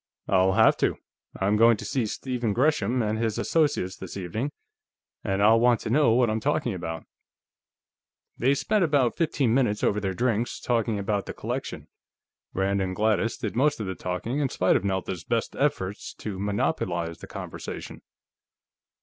"I'll have to. I'm going to see Stephen Gresham and his associates this evening, and I'll want to know what I'm talking about." They spent about fifteen minutes over their drinks, talking about the collection. Rand and Gladys did most of the talking, in spite of Nelda's best efforts to monopolize the conversation.